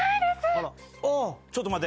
⁉ちょっと待って。